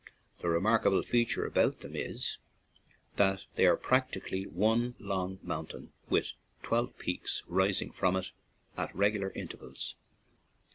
The remarkable feature about them is that they are practically one long mountain with twelve peaks rising from it at regular in tervals.